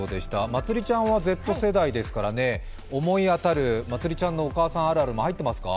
まつりちゃんはＺ世代ですから、思い当たるまつりちゃんのお母さんあるあるも入ってますか？